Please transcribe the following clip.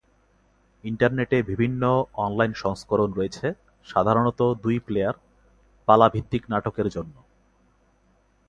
ইন্টারনেটে বিভিন্ন অন-লাইন সংস্করণ রয়েছে, সাধারণত দুই-প্লেয়ার, পালা ভিত্তিক নাটকের জন্য।